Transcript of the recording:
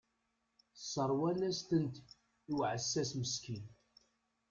Sseṛwan-as-tent i uɛessas meskin.